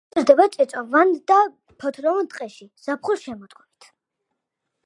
იზრდება წიწვოვან და ფოთლოვან ტყეში, ზაფხულ-შემოდგომით.